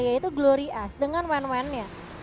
itu glory ash dengan wen wennya